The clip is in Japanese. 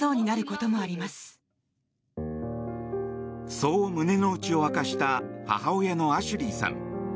そう胸の内を明かした母親のアシュリーさん。